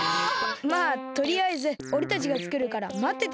まあとりあえずおれたちがつくるからまってて。